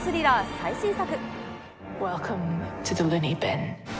最新作。